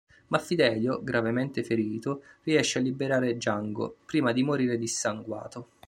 Ma Fidelio, gravemente ferito, riesce a liberare Django, prima di morire dissanguato.